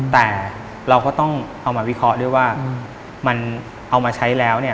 แต่เราก็ต้องเอามาวิเคราะห์ด้วยว่ามันเอามาใช้แล้วเนี่ย